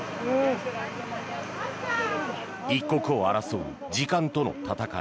一刻を争う時間との闘い。